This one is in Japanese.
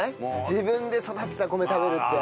自分で育てた米食べるって。